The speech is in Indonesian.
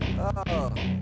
neng ini rusak ya